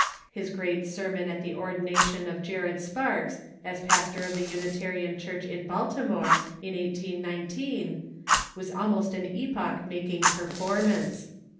His great sermon at the ordination of Jared Sparks as pastor of the Unitarian Church in Baltimore, in 1819, was almost an epoch making performance.